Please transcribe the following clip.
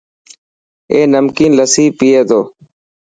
اي نمڪين لسي پئي تو.